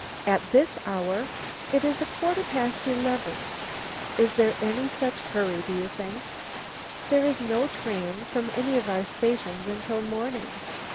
"At this hour? it is quarter past eleven! Is there any such hurry, do you think? There is no train from any of our stations until morning.